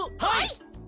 はい！